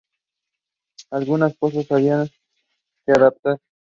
Algunas cosas había que adaptar.